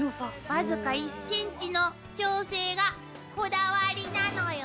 僅か１ｃｍの調整がこだわりなのよ。